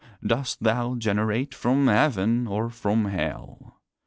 dost thou generate from Heaven or from Hell?